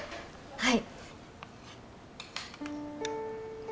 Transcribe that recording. はい。